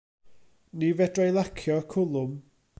Ni fedrai lacio'r cwlwm.